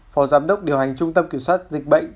phó giám đốc điều hành trung tâm kiểm soát dịch bệnh